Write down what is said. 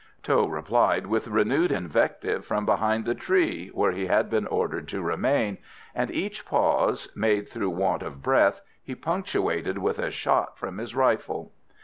Tho replied with renewed invective from behind the tree, where he had been ordered to remain, and each pause, made through want of breath, he punctuated with a shot from his rifle.